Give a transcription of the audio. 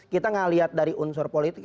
kita melihat dari unsur politik